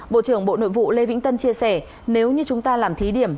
bộ trưởng bộ nội vụ lê vĩnh tân chia sẻ nếu như chúng ta làm thí điểm